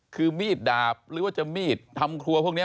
คือมีดดาบหรือว่าจะมีดทำครัวพวกนี้